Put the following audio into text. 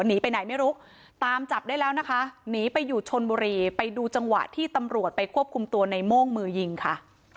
หนีไปไหนไม่รู้ตามจับได้แล้วนะคะหนีไปอยู่ชนบุรีไปดูจังหวะที่ตำรวจไปควบคุมตัวในโม่งมือยิงค่ะ